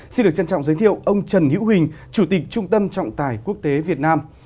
xin được trân trọng giới thiệu ông trần hiễu huỳnh chủ tịch trung tâm trọng tài quốc tế việt nam